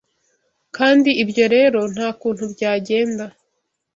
Kandi ibyo rero nta kuntu byagenda